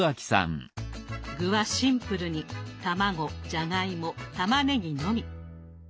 具はシンプルに卵じゃがいもたまねぎのみ。